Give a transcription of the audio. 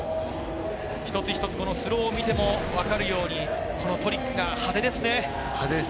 一つ一つスローを見てもわかるようにトリックが派手ですね。